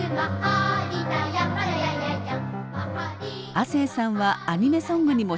亜星さんはアニメソングにも進出。